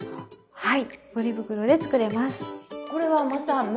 はい。